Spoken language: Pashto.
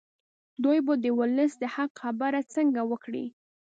دوی به د ولس د حق خبره څنګه وکړي.